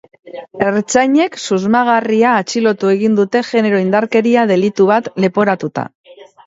Ertzainek susmagarria atxilotu egin dute genero indarkeria delitu bat leporatuta.